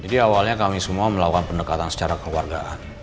jadi awalnya kami semua melakukan pendekatan secara keluargaan